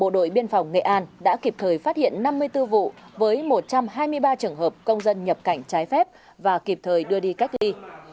bộ đội biên phòng nghệ an đã kịp thời phát hiện năm mươi bốn vụ với một trăm hai mươi ba trường hợp công dân nhập cảnh trái phép và kịp thời đưa đi cách ly